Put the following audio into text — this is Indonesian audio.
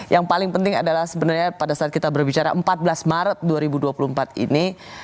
yang paling penting adalah sebenarnya pada saat kita berbicara empat belas maret dua ribu dua puluh empat ini